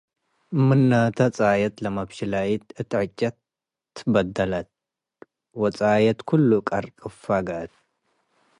ምናተ ጻየት ለመብሽላይት እት ዕጨ'ት ትበደ'ለት፣ ወጻየት ክሉ ቀርቅ'ፈ ገአት።